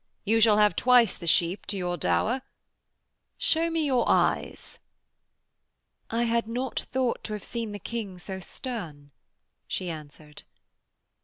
'You shall have twice the sheep to your dower. Show me your eyes.' 'I had not thought to have seen the King so stern,' she answered.